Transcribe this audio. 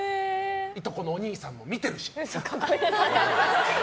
いとこのお兄さん、見てるし！